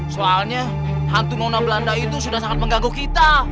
soalnya hantu nona belanda itu sudah sangat menggaguh kita